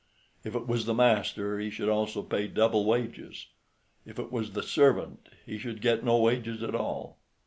If it was the master, he should also pay double wages; if it was the servant, he should get no wages at all.